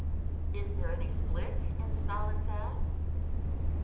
Is there any split in the solid South?